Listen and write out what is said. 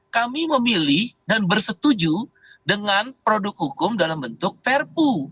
kami memilih dan bersetuju dengan produk hukum dalam bentuk perpu